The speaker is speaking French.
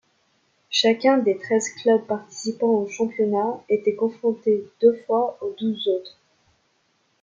Chacun des treize clubs participant au championnat était confronté deux fois aux douze autres.